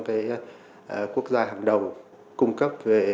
những quốc gia hạm đầu cung cấp về